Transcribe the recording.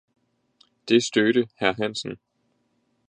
Det stødte Hr Hansen.